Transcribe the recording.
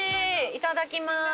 いただきます。